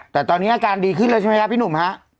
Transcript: แต่ตอนนี้อาการดีขึ้นแล้วใช่ไหมครับพี่หนุ่มฮะ